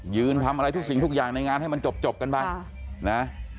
ยืนทำอะไรทุกสิ่งทุกอย่างในงานให้มันจบจบกันบ้างค่ะนะ